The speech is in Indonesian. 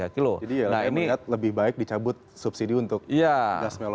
jadi ya lebih baik dicabut subsidi untuk gas melon itu tadi